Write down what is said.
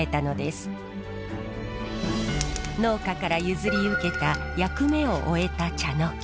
農家から譲り受けた役目を終えた茶の木。